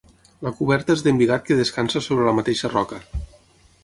La coberta és d'embigat que descansa sobre la mateixa roca.